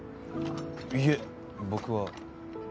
いいえ僕は。